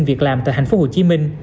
việc làm tại tp hcm